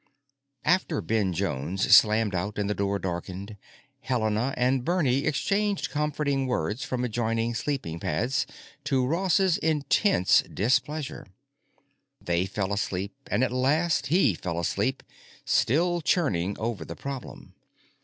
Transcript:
After Ben Jones slammed out and the room darkened Helena and Bernie exchanged comforting words from adjoining sleeping pads, to Ross's intense displeasure. They fell asleep and at last he fell asleep still churning over the problem.